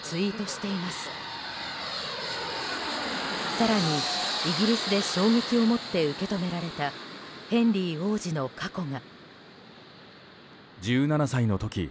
更に、イギリスで衝撃を持って受け止められたヘンリー王子の過去が。